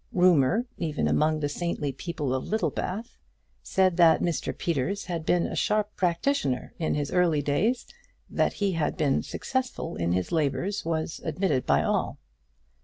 Rumour, even among the saintly people of Littlebath, said that Mr Peters had been a sharp practitioner in his early days; that he had been successful in his labours was admitted by all.